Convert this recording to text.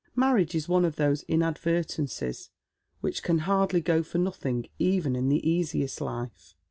Marriage is one of those inadvertences which can hardly go for nothing even in the easiest life.